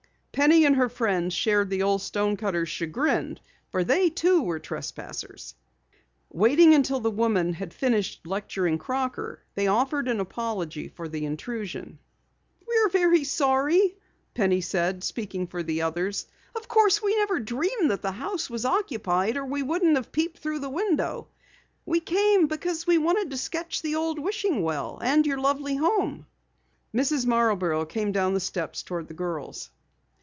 Penny and her friends shared the old stonecutter's chagrin, for they too were trespassers. Waiting until the woman had finished lecturing Crocker, they offered an apology for the intrusion. "We're very sorry," Penny said, speaking for the others. "Of course we never dreamed that the house was occupied or we wouldn't have peeped through the window. We came because we wanted to sketch the old wishing well and your lovely home." Mrs. Marborough came down the steps toward the girls.